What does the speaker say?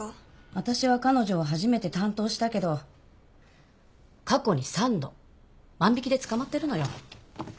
私は彼女を初めて担当したけど過去に３度万引で捕まってるのよ。